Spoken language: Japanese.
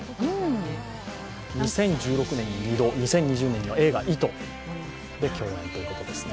２０１６年に２度２０２０年には映画「糸」で共演ということですね。